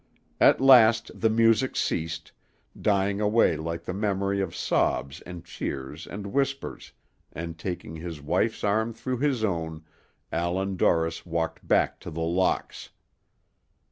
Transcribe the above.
At last the music ceased, dying away like the memory of sobs and cheers and whispers, and taking his wife's arm through his own, Allan Dorris walked back to The Locks.